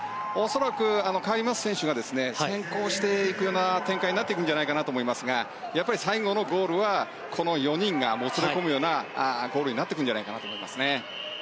恐らくカイリー・マス選手が先行してくる展開になっていくんじゃないかと思いますが最後のゴールはこの４人がもつれ込むようなごーるになってくるんじゃないかなと思いますね。